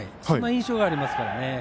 そんな印象がありますから。